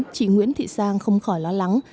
chị nguyễn thị sang không khỏi lo lắng